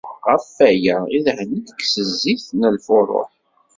Ɣef waya, idhen-ik s zzit n lfuruḥ.